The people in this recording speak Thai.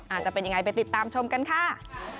จะเป็นยังไงไปติดตามชมกันค่ะ